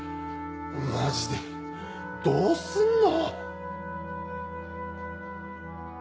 マジでどうすんの？